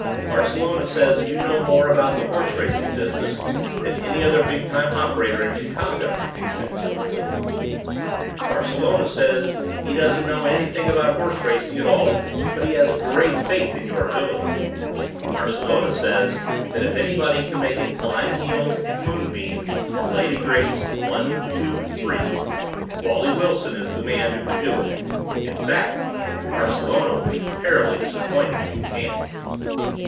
"Barcelona says you know more about the horse racing business than any other big time operator in Chicago," she said smoothly. "Barcelona says that he doesn't know anything about horse racing at all, but he has great faith in your ability. Barcelona says that if anybody can make it Flying Heels, Moonbeam, and Lady Grace, one, two, and three, Wally Wilson is the man who can do it. In fact, Barcelona will be terribly disappointed if you can't."